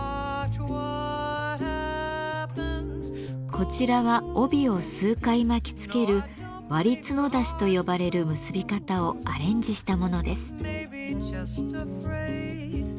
こちらは帯を数回巻きつける「割角出し」と呼ばれる結び方をアレンジしたものです。